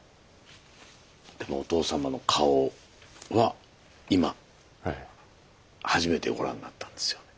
でもお父様の顔は今初めてご覧になったんですよね？